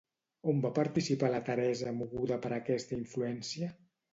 On va participar la Teresa moguda per aquesta influència?